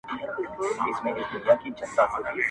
د يار جفاوو ته يې سر ټيټ کړ صندان چي سو زړه~